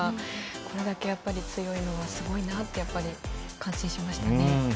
これだけ強いのはすごいなって感心しましたね。